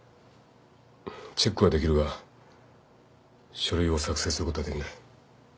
チェックはできるが書類を作成することはできない。